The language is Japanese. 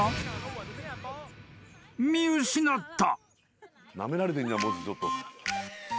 ［見失った］